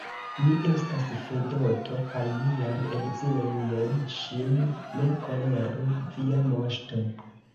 Mi estas Fedoto, kaj mian edzinon, jen ŝin, ne koleru, via moŝto!